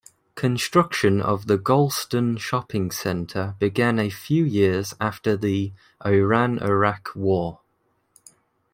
Construction of the Golestan Shopping Center began a few years after the Iran-Iraq War.